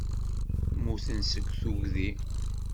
Mmuten seg tuggdi.